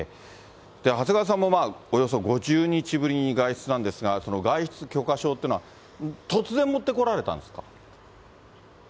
長谷川さんもおよそ５０日ぶりに外出なんですが、その外出許可証というのは、突然持ってこられたんですか？